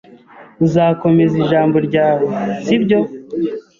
Uzakomeza ijambo ryawe, sibyo?